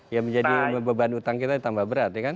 ya menjadi beban utang kita tambah berat ya kan